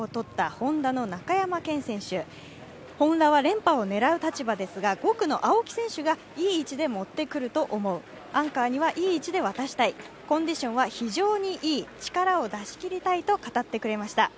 Ｈｏｎｄａは連覇を狙う立場ですが、５区の青木選手がいい位置で持ってくると思う、アンカーにはいい位置で渡したいコンディションは非常にいい、力を出し切りたいと語ってくれました。